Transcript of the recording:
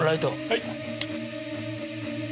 はい。